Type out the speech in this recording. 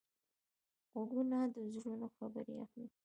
غوږونه د زړونو خبرې اخلي